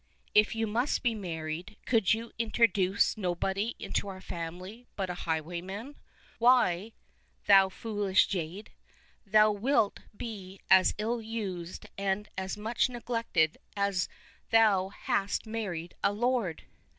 " If you must be married, could you introduce nobody into our family but a highwayman ? Why, thou foolish jade, thou wilt be as ill used and as much neglected as if thou hadst married a lord